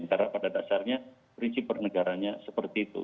karena pada dasarnya prinsip pernegaranya seperti itu